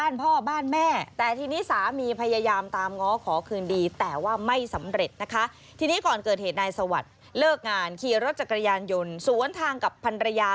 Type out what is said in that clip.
นายสวัสดิ์เลิกงานขี่รถจักรยานยนต์สวนทางกับพันรยา